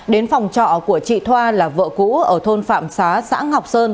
đến phòng trọ của chị thoa là vợ cũ ở thôn phạm xá xã ngọc sơn